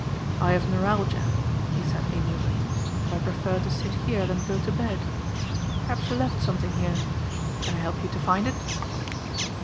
"I have neuralgia," he said amiably, "and I prefer to sit here than go to bed. Perhaps you left something here? Can I help you to find it?"